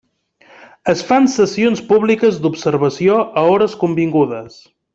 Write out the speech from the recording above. Es fan sessions públiques d'observació a hores convingudes.